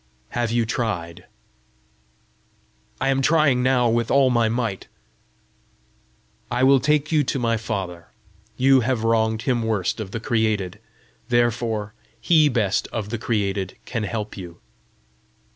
"Have you tried?" "I am trying now with all my might." "I will take you to my father. You have wronged him worst of the created, therefore he best of the created can help you."